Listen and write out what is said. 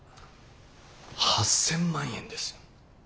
８，０００万円です。